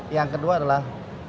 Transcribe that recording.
yang kedua adalah